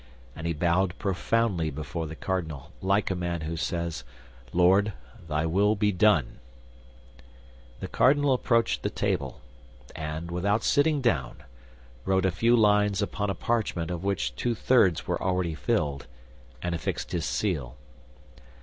And he bowed profoundly before the cardinal, like a man who says, "Lord, Thy will be done!" The cardinal approached the table, and without sitting down, wrote a few lines upon a parchment of which two thirds were already filled, and affixed his seal.